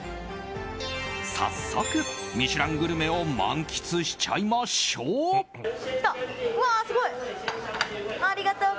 早速、ミシュラングルメを満喫しちゃいましょう。